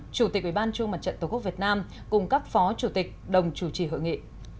chủ tịch ủy ban trung mặt trận tổ quốc việt nam cùng các phó chủ tịch đồng chủ trì hội nghị